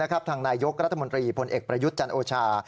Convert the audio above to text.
ทางนายยกรัฐมนตรีพลเอกประยุทธ์จันโอชา